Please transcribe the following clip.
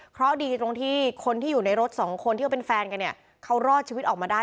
เขาดีที่คนที่อยู่ในรถสองคนที่ก็เป็นแฟนกันของเขารอดชีวิตออกมาได้